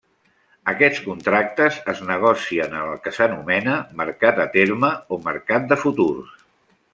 Aquests contractes es negocien en el que s'anomena mercat a terme o mercat de futurs.